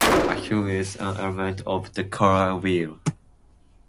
A hue is an element of the color wheel.